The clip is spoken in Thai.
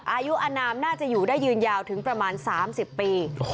อายุอนามน่าจะอยู่ได้ยืนยาวถึงประมาณ๓๐ปี